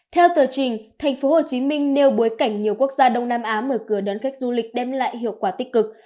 theo tờ trình thành phố hồ chí minh nêu bối cảnh nhiều quốc gia đông nam á mở cửa đón khách du lịch đem lại hiệu quả tích cực